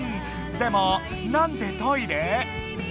でもなんでトイレ？